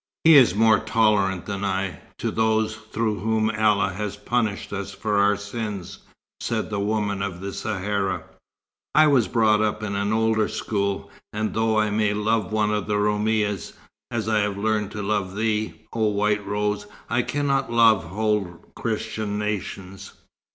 "He is more tolerant than I, to those through whom Allah has punished us for our sins," said the woman of the Sahara. "I was brought up in an older school; and though I may love one of the Roumis, as I have learned to love thee, oh White Rose, I cannot love whole Christian nations.